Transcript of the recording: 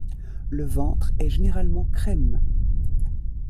Le ventre est généralement crème.